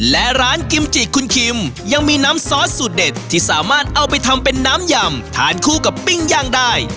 และร้านกิมจิคุณคิมยังมีน้ำซอสสูตรเด็ดที่สามารถเอาไปทำเป็นน้ำยำทานคู่กับปิ้งย่างได้